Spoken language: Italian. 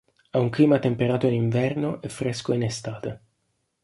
Ha un clima temperato in inverno e fresco in estate.